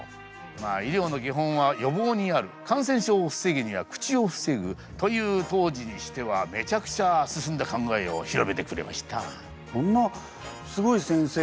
まあ医療の基本は予防にある感染症を防ぐには口を防ぐという当時にしてはめちゃくちゃ進んだ考えを広めてくれました。